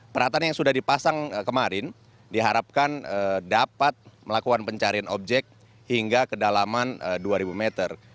peralatan yang sudah dipasang kemarin diharapkan dapat melakukan pencarian objek hingga kedalaman dua ribu meter